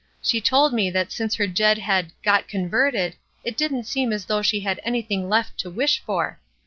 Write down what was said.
She told me that since her Jed had 'got converted, it didn't seem as though she had anything left to wish for.'